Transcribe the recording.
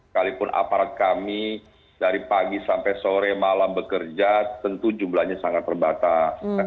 kalaupun aparat kami dari pagi sampai sore malam bekerja tentu jumlahnya sangat terbatas